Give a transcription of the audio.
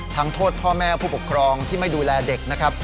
โทษพ่อแม่ผู้ปกครองที่ไม่ดูแลเด็กนะครับ